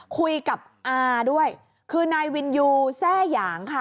คุยกับอาด้วยคือนายวินยูแทร่หยางค่ะ